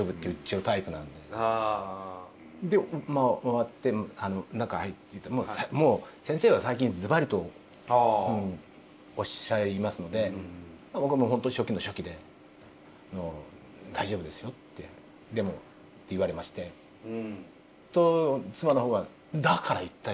でまあ終わって中入ってもう先生は最近ズバリとおっしゃいますので僕はもうほんとに初期の初期で「大丈夫ですよ」って言われましてと妻の方が「だから言ったでしょ！